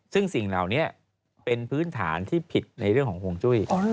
ซึ่งสิ่งเหล่านี้เป็นพื้นฐานที่ผิดในเรื่องของห่วงจุ้ย